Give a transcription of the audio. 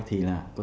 thì là có thể là